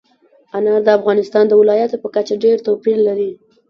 انار د افغانستان د ولایاتو په کچه ډېر توپیر لري.